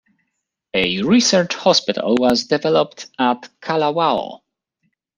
A research hospital was developed at Kalawao.